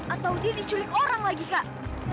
atau dia diculik orang lagi kak